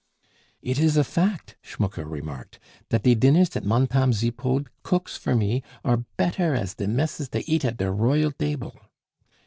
"It is a fact," Schmucke remarked, "dat die dinners dat Montame Zipod cooks for me are better as de messes dey eat at der royal dable!"